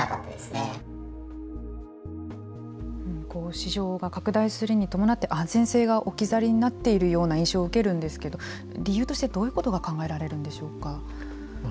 市場が拡大するに伴って安全性が置き去りになっているような印象を受けるんですけど理由としてどういうことが考えられるんでしょうか。